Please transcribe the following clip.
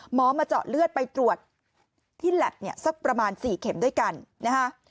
หมอมาเจาะเลือดไปตรวจที่แล็บเนี่ยสักประมาณ๔เข็มด้วยกันนะฮะ